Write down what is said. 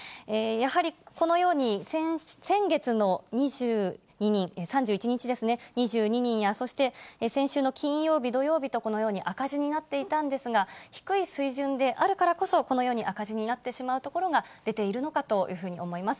やはり、このように、先月の２２人、３１日ですね、２２人や、そして先週の金曜日、土曜日と、このように赤字になっていたんですが、低い水準であるからこそ、このように赤字になってしまうところが出ているのかというふうに思います。